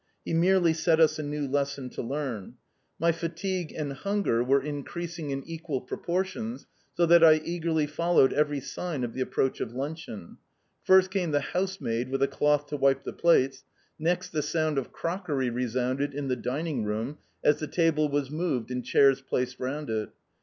He merely set us a new lesson to learn. My fatigue and hunger were increasing in equal proportions, so that I eagerly followed every sign of the approach of luncheon. First came the housemaid with a cloth to wipe the plates. Next, the sound of crockery resounded in the dining room, as the table was moved and chairs placed round it.